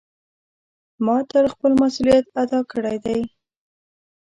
ما تل خپل مسؤلیت ادا کړی ده.